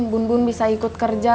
bun bun bisa ikut kerja